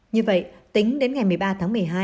như vậy tính đến ngày một mươi ba tháng một mươi hai